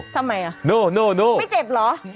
ทำไมล่ะไม่เจ็บเหรอโน่